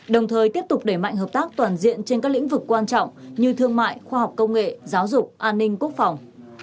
đồng thời tiếp tục đẩy mạnh hợp tác toàn diện trên các lĩnh vực quan trọng như thương mại khoa học công nghệ giáo dục an ninh quốc phòng